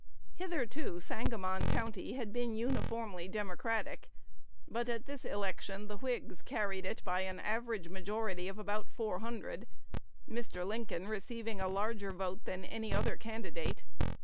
'" Hitherto Sangamon County had been uniformly Democratic; but at this election the Whigs carried it by an average majority of about four hundred, Mr. Lincoln receiving a larger vote than any other candidate.